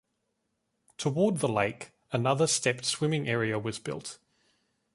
Toward the lake, another stepped swimming area was built.